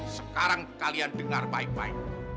sekarang kalian dengar baik baik